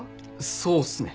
そうっすね。